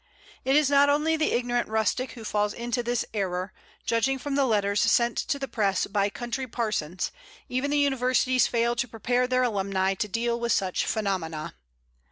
It is not only the ignorant rustic who falls into this error; judging from letters sent to the press by country parsons, even the universities fail to prepare their alumni to deal with such phenomena.